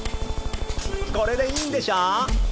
これでいいんでしょ？